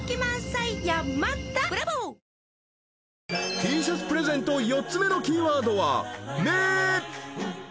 ［Ｔシャツプレゼント４つ目のキーワードは］